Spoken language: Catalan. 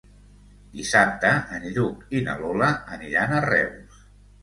Dissabte en Lluc i na Lola aniran a Reus.